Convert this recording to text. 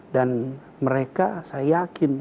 dan mereka saya yakin